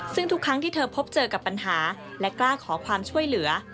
ซึ่งทุกครั้งที่เธอพบเจอกับปัญหาและกล้าขอความช่วยเหลือ